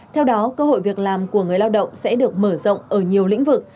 theo đó cơ hội việc làm của người lao động sẽ được mở rộng ở nhiều lĩnh vực